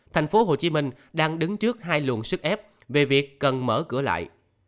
thành phố hồ chí minh đang đứng trước hai luồng sức ép về việc cần mở cửa lại